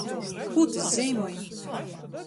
Kū tys zeimoj?